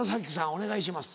お願いします。